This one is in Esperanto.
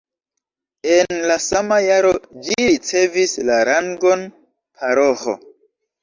En la sama jaro ĝi ricevis la rangon paroĥo.